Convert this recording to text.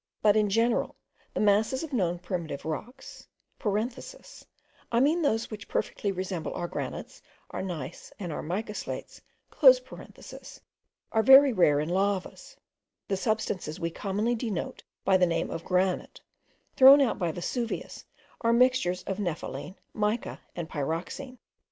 But in general the masses of known primitive rocks, (I mean those which perfectly resemble our granites, our gneiss, and our mica slates) are very rare in lavas; the substances we commonly denote by the name of granite, thrown out by Vesuvius, are mixtures of nepheline, mica, and pyroxene.